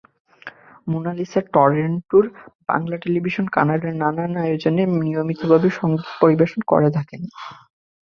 Mona Lisa টরন্টোর Bangla television কানাডার নানান আয়োজনে নিয়মিতভাবে সংগীত পরিবেশন করে থাকেন।